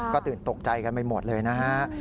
ก็ตื่นตกใจกันไปหมดเลยนะฮะ